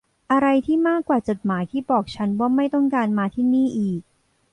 อะไรที่มากกว่าจดหมายที่บอกฉันว่าไม่ต้องการมาที่นี่อีก